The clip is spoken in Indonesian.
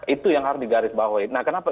itu yang harus digarisbawahi nah kenapa